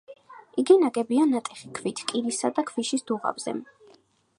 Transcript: იგი ნაგებია ნატეხი ქვით კირისა და ქვიშის დუღაბზე.